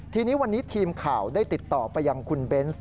ทีนี้วันนี้ทีมข่าวได้ติดต่อไปยังคุณเบนส์